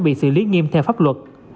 bị xử lý nghiêm theo pháp luật